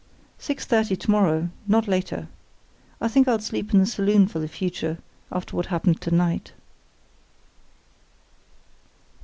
Six thirty to morrow; not later. I think I'll sleep in the saloon for the future, after what happened to night."